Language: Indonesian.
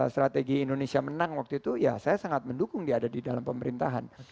strategi indonesia menang waktu itu ya saya sangat mendukung dia ada di dalam pemerintahan